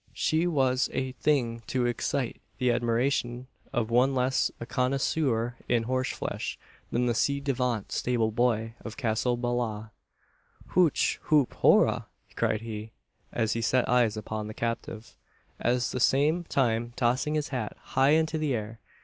She was a thing to excite the admiration of one less a connoisseur in horse flesh than the ci devant stable boy of Castle Ballagh. "Hooch hoop hoora!" cried he, as he set eyes upon the captive, at the same time tossing his hat high into the air.